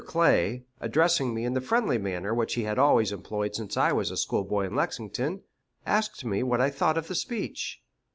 Clay, addressing me in the friendly manner which he had always employed since I was a schoolboy in Lexington, asked me what I thought of the speech.